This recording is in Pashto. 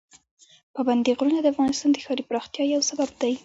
پابندي غرونه د افغانستان د ښاري پراختیا یو سبب دی.